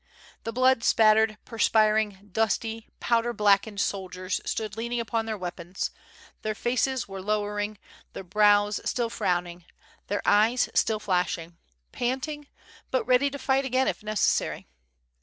The blood spattered, perspiring, dusty, powder blackened soldiers stood leaning upon their weapons, their faces were lowering, their brows still frowning, their eyes still flashing, panting, but ready to fight again if neces sary.